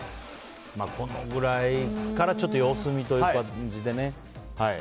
このくらいから様子見という感じでね。